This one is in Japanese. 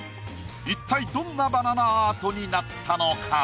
一体どんなバナナアートになったのか？